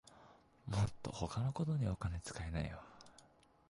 もっと他のことにお金つかいなよ